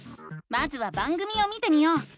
まずは番組を見てみよう！